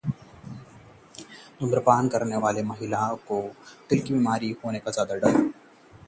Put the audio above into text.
धूम्रपान करने वाली महिलाओं को दिल की बीमारी होने का ज्यादा डर